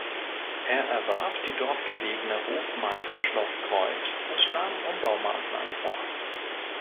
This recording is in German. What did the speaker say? Er erwarb die dort gelegene Hofmark Schloss Kreuth und nahm Umbaumaßnahmen vor.